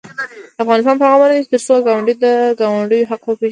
افغانستان تر هغو نه ابادیږي، ترڅو ګاونډي د ګاونډي حق وپيژني.